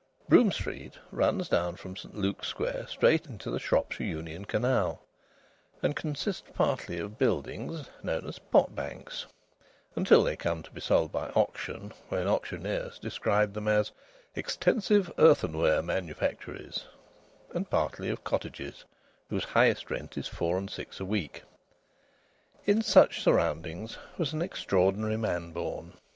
Brougham Street runs down from St Luke's Square straight into the Shropshire Union Canal, and consists partly of buildings known as "potbanks" (until they come to be sold by auction, when auctioneers describe them as "extensive earthenware manufactories") and partly of cottages whose highest rent is four and six a week. In such surroundings was an extraordinary man born.